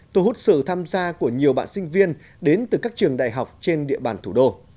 thu hút sự tham gia của nhiều bạn sinh viên đến từ các trường đại học trên địa bàn thủ đô